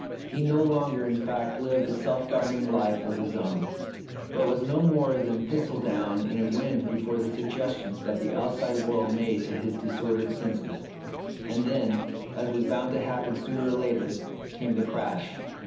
He no longer, in fact, lived a self governing life of his own, but was no more than thistledown in a wind before the sug gestions that the outside world made to his dis ordered senses. And then, as was bound to happen sooner or later, came the crash.